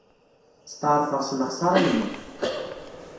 Steɛṛfeɣ s lexṣara-inu.